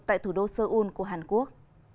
tại thủ đô seoul của hàn quốc